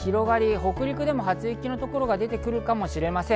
北陸でも初雪のところが出てくるかもしれません。